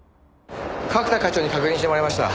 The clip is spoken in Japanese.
角田課長に確認してもらいました。